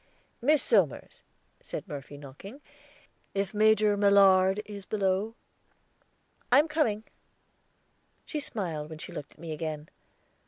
"Miss Somers," said Murphy, knocking, "if Major Millard is below?" "I am coming." She smiled when she looked at me again.